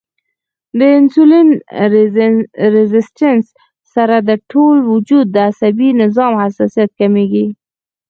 د انسولين ريزسټنس سره د ټول وجود د عصبي نظام حساسیت کميږي